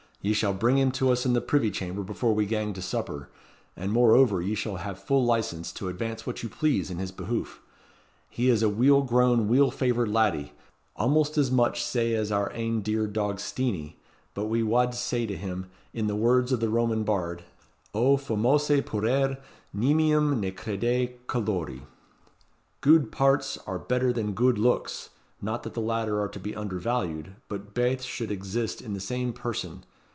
"Ye shall bring him to us in the privy chamber before we gang to supper, and moreover ye shall hae full licence to advance what you please in his behoof. He is a weel grown, weel favoured laddie, almost as much sae as our ain dear dog Steenie; but we wad say to him, in the words of the Roman bard, ````'O formose puer, nimium ne crede colori!' Gude pairts are better than gude looks; not that the latter are to be undervalued, but baith should exist in the same person.